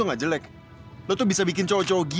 masih b aging